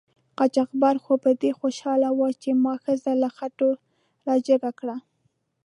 قاچاقبر خو په دې خوشحاله و چې ما ښځه له خټو را جګه کړه.